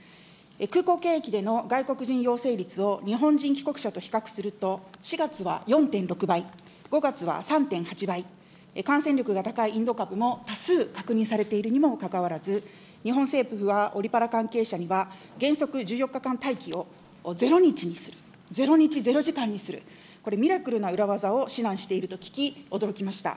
空港検疫での外国人陽性率を日本人帰国者と比較すると、４月は４．６倍、５月は３．８倍、感染力が高いインド株も多数確認されているにもかかわらず、日本政府はオリパラ関係者には、原則１４日間待機をゼロ日にする、ゼロ日ゼロ時間にする、これ、ミラクルな裏技を指南していると聞き、驚きました。